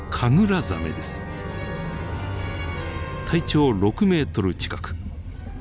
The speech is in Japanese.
体長６ｍ近く。